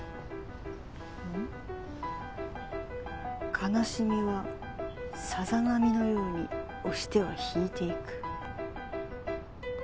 「悲しみはさざ波のように押しては引いていく」。